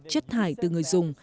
chất thải từ người dùng